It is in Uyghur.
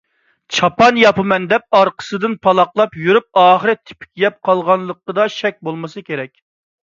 «چاپان ياپىمەن» دەپ ئارقىسىدىن پالاقلاپ يۈرۈپ، ئاخىر «تېپىك يەپ قالغان»لىقىدا شەك بولمىسا كېرەك.